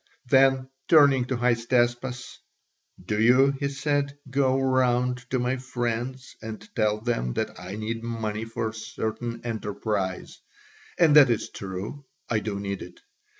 Then, turning to Hystaspas, "Do you," he said, "go round to my friends and tell them that I need money for a certain enterprise and that is true, I do need it.